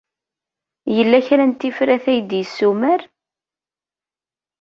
Yella kra n tifrat ay d-yessumer?